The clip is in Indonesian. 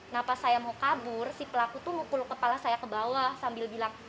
nah pas saya mau kabur si pelaku tuh mukul kepala saya ke bawah sambil bilang